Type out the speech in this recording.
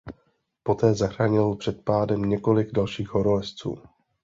Poté zachránil před pádem několik dalších horolezců.